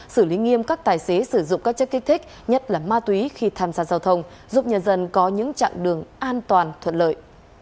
xử lý nghiêm các tài xế sử dụng các chất kích thích nhất là ma túy khi tham gia giao thông giúp nhân dân có những chặng đường an toàn thuận lợi